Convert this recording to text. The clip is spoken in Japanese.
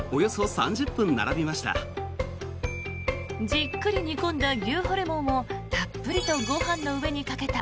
じっくり煮込んだ牛ホルモンをたっぷりとご飯の上にかけた